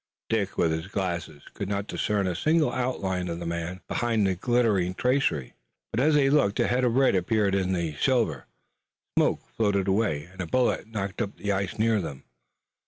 Dick, with his glasses, could not discern a single outline of the man behind the glittering tracery. But as they looked, a head of red appeared suddenly in the silver, smoke floated away, and a bullet knocked up the ice near them.